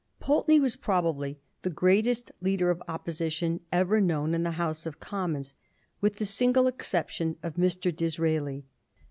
Pulteney was pro bably the greatest leader of Opposition ever known in the House of Commons, with the single exception of Mr. Disraeli.